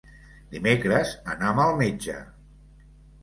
Dimecres anam al metge.